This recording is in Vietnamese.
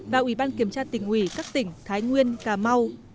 và ủy ban kiểm tra tỉnh ủy các tỉnh thái nguyên cà mau